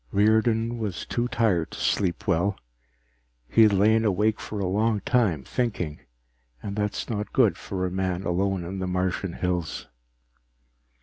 _Riordan was too tired to sleep well. He had lain awake for a long time, thinking, and that is not good for a man alone in the Martian hills.